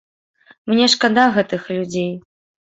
Мне шкада гэтых людзей.